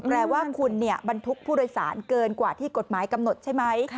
แปลว่าคุณบรรทุกผู้โดยสารเกินกว่าที่กฎหมายกำหนดใช่ไหม